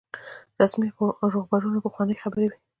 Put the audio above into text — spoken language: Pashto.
رسمي روغبړونه پخوانۍ خبرې وي.